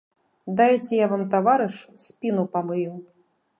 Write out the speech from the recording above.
Дайце я вам, таварыш, спіну памыю.